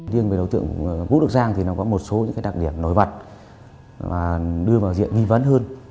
riêng về đối tượng vũ đức giang thì nó có một số những cái đặc điểm nổi bật và đưa vào diện nghi vấn hơn